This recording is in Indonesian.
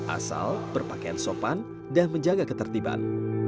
asal berpakaian sopan dan menjaga ketertiban